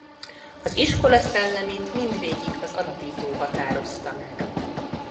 Az iskola szellemét mindvégig az alapító határozta meg.